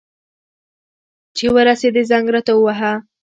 چي ورسېدې، زنګ راته ووهه.